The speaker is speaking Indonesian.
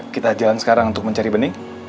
kita jalan sekarang untuk mencari bening